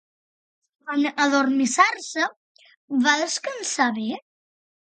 En adormissar-se va descansar bé?